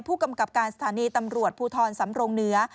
ผู้กำกับการสถานีตำรวจภูทรสำรงเหนือ